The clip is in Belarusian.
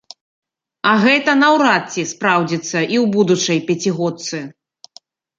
А гэта наўрад ці спраўдзіцца і ў будучай пяцігодцы.